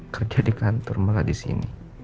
kerja di kantor malah disini